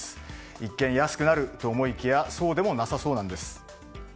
一見、安くなると思いきやそうでもなさそうなんです。